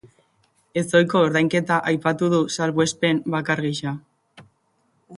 Ezohiko ordainketak aipatu du salbuespen bakar gisa.